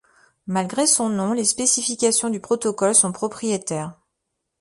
Malgré son nom, les spécifications du protocole sont propriétaires.